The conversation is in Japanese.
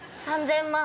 ３０００万。